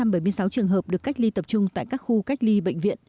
một trăm bảy mươi sáu trường hợp được cách ly tập trung tại các khu cách ly bệnh viện